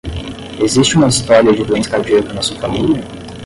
Existe uma história de doença cardíaca na sua família?